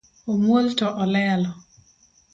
Omuol to olelo